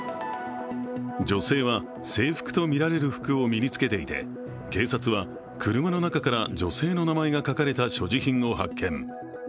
女性は制服とみられる服を身に着けていて警察は車の中から女性の名前が書かれた所持品を発見。